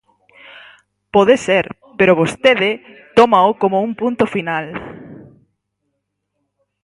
Pode ser, pero vostede tómao como un punto final.